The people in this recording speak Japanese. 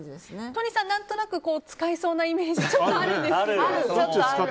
都仁さん、何となく使いそうなイメージあるんですけど。